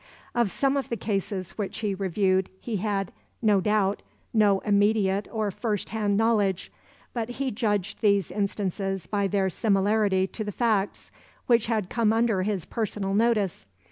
Of some of the cases which he reviewed he had, no doubt, no immediate or first hand knowledge; but he judged these instances by their similarity to the facts which had come under his personal notice.